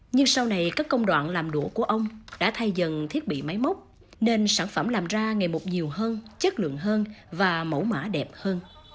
nhưng sau này các công đoạn làm đũa của ông đã thay dần thiết bị máy móc nên sản phẩm làm ra ngày một nhiều hơn chất lượng hơn và mẫu mã đẹp hơn